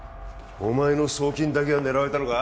お前の送金だけが狙われたのか？